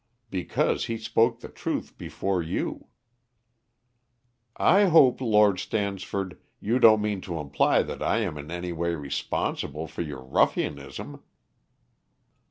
"Because he spoke the truth before you." "I hope, Lord Stansford, you don't mean to imply that I am in any way responsible for your ruffianism?"